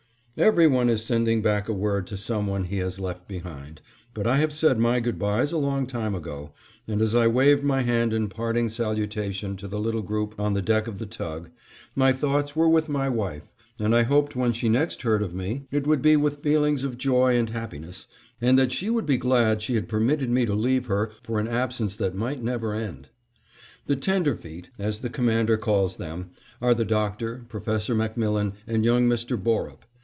Every one is sending back a word to some one he has left behind, but I have said my good bys a long time ago, and as I waved my hand in parting salutation to the little group on the deck of the tug, my thoughts were with my wife, and I hoped when she next heard of me it would be with feelings of joy and happiness, and that she would be glad she had permitted me to leave her for an absence that might never end. The tenderfeet, as the Commander calls them, are the Doctor, Professor MacMillan, and young Mr. Borup.